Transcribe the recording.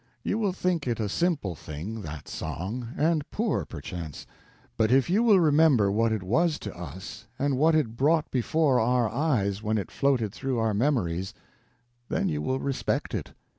You will think it a simple thing, that song, and poor, perchance; but if you will remember what it was to us, and what it brought before our eyes when it floated through our memories, then you will respect it.